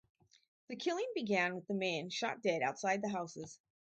The killing began with the men shot dead outside the houses.